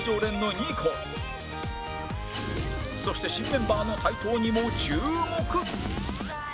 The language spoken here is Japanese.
そして新メンバーの台頭にも注目